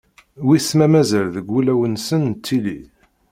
wiss ma mazal deg wulawen-nsen nettili.